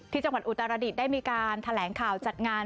จังหวัดอุตรดิษฐ์ได้มีการแถลงข่าวจัดงาน